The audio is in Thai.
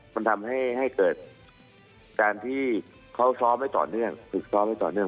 มันทำให้เกิดการที่เขาซ้อมไว้ต่อเนื่องฝึกซ้อมไว้ต่อเนื่อง